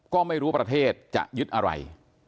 ก็ไม่รู้ประเทศจะยึดอะไร